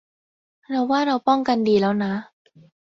เราว่าเราป้องกันดีแล้วนะ